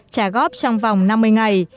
trả góp trong vòng năm mươi ngày